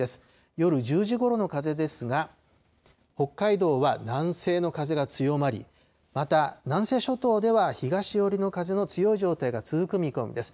夜１０時ごろの風ですが、北海道は南西の風が強まり、また南西諸島では、東寄りの風の強い状態が続く見込みです。